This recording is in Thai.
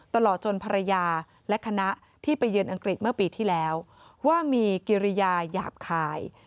ตลอดจนภรรยาและคณะที่ไปเยือนอังกฤษเมื่อปีที่แล้วว่ามีกิริยาหยาบคาย